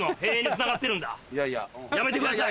やめてください！